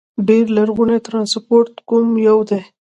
ډېر لرغونی ترانسپورت کوم یو دي؟